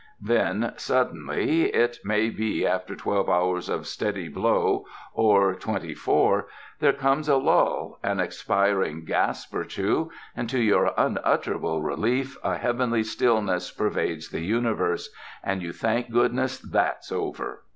Then suddenly — it may be after twelve hours of steady blow or twenty 266 CONCERNING THE CLIMATE four — there comes a lull, au expiring gasp or two, and to your unutterable relief a heavenly stillness pervades the universe, and you thank goodness that's over.